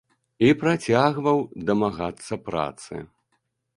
І працягваў дамагацца працы.